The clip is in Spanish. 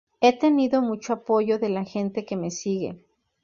He tenido mucho apoyo de la gente que me sigue